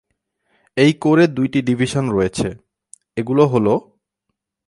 এই কোরে দুইটি ডিভিশন রয়েছে, এগুলো হলোঃ